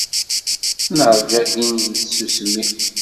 Neṛja din deg tsusmi.